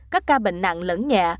các ca bệnh nặng lẫn nhẹ